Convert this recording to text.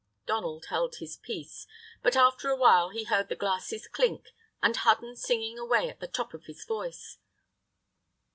Donald held his peace, but after a while he heard the glasses clink, and Hudden singing away at the top of his voice.